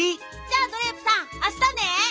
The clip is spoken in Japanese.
じゃあドレープさんあしたね。